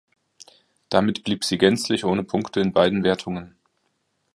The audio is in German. Damit blieb sie gänzlich ohne Punkte in beiden Wertungen.